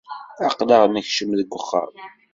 Aql-aɣ nekmen deg wexxam.